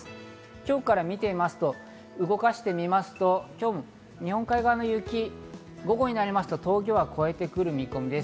今日から見てみますと、動かしてみますと、日本海側の雪、午後になりますと峠は越えてくる見込みです。